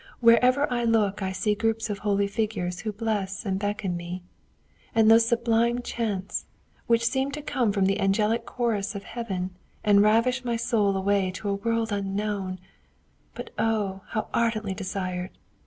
Wherever I look I see groups of holy figures who bless and beckon me. And those sublime chants, which seem to come from the angelic chorus of heaven, and ravish my soul away to a world unknown but oh, how ardently desired!